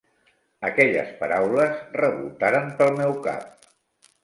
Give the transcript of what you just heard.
Aquelles paraules revoltaren pel meu cap.